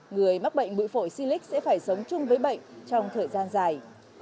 người mắc bệnh bụi phổi sinh lịch sẽ phải sống chung với bệnh trong thời gian dài